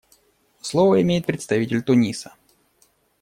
Слово имеет представитель Туниса.